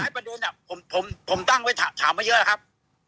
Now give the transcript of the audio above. ในประเด็นผมตั้งไว้ถามมาเยอะนะครับ